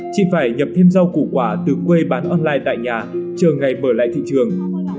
chị phải nhập thêm rau củ quả từ quê bán online tại nhà chờ ngày mở lại thị trường